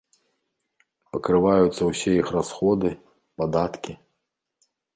Пакрываюцца ўсе іх расходы, падаткі.